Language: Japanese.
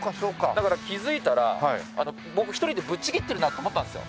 だから気づいたら僕一人でぶっちぎってるなと思ったんですよ。